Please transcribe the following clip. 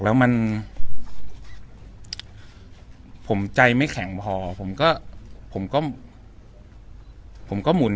แล้วมันผมใจไม่แข็งพอผมก็ผมก็หมุน